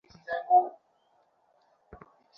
তিনি দুটি সাভাবিদ অভিযানই সাফল্যের সাথে নেতৃত্ব দিয়েছিলেন।